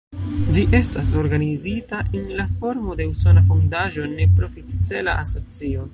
Ĝi estas organizita en la formo de usona fondaĵo, ne-profit-cela asocio.